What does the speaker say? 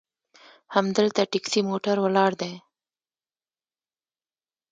همدلته ټیکسي موټر ولاړ دي.